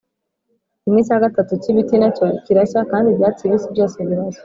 kimwe cya gatatu cy’ibiti na cyo kirashya kandi ibyatsi bibisi byose birashya.